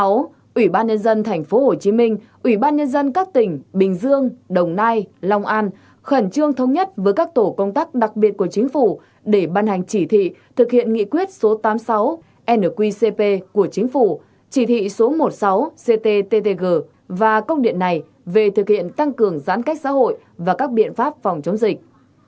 sáu ủy ban nhân dân tp hcm ủy ban nhân dân các tỉnh bình dương đồng nai long an khẩn trương thống nhất với các tổ công tác đặc biệt của chính phủ để ban hành chỉ thị thực hiện nghị quyết số tám mươi sáu nqcp của chính phủ chỉ thị số một mươi sáu ctttg và công điện này về thực hiện tăng cường giãn cách xã hội và các biện pháp phòng chống dịch